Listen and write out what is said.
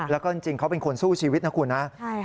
แล้วก็จริงเขาเป็นคนสู้ชีวิตนะคุณนะ